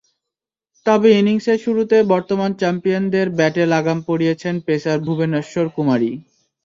তবে ইনিংসের শুরুতে বর্তমান চ্যাম্পিয়নদের ব্যাটে লাগাম পরিয়েছেন পেসার ভুবনেশ্বর কুমারই।